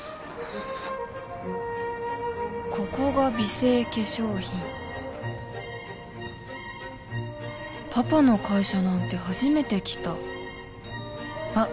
ここが美生化粧品パパの会社なんて初めて来たあっ